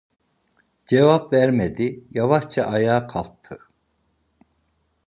Cevap vermedi, yavaşça ayağa kalktı.